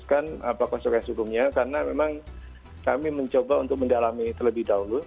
jadi kami belum bisa memutuskan apa konsekuensi hukumnya karena memang kami mencoba untuk mendalami terlebih dahulu